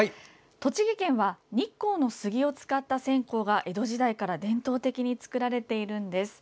栃木県は日光の杉を使った線香が江戸時代から伝統的に作られているんです。